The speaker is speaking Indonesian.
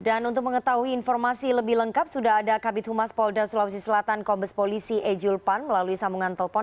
dan untuk mengetahui informasi lebih lengkap sudah ada kabit humas polda sulawesi selatan kombes polisi e julpan melalui sambungan telpon